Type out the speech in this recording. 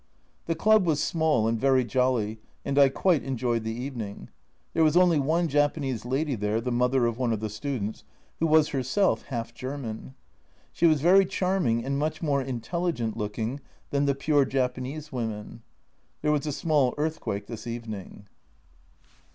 The club was small and very jolly, and I quite enjoyed the evening. There was only one Japanese lady there, the mother of one of the students, who was herself half German. She was very charming and much more intelligent looking than the pure Japanese women. There was a small earthquake this evening.